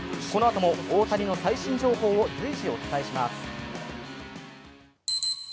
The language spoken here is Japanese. このあとも大谷の最新情報を随時お伝えします。